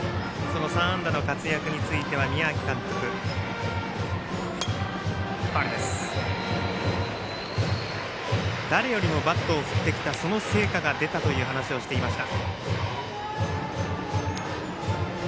３安打の活躍については宮秋監督誰よりもバットを振ってきたその成果が出たと話をしていました。